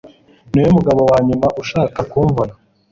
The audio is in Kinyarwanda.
Niwe mugabo wanyuma nshaka kubona